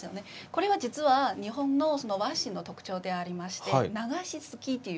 これは実は日本の和紙の特徴でありまして流しすきっていう。